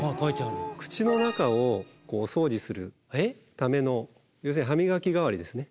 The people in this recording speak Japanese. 口の中をお掃除するための要するに歯磨き代わりですね。